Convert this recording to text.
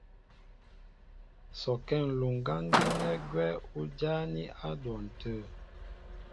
Sɔkɛ́ ǹluŋgáŋ gínɛ́ gwɛ́ ú jáání á dwɔn tə̂.